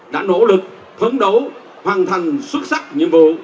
đã nỗ lực phấn đấu hoàn thành xuất sắc nhiệm vụ